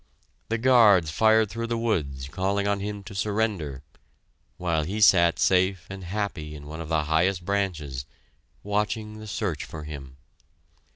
The guards fired through the woods, calling on him to surrender, while he sat safe and happy in one of the highest branches, watching the search for him.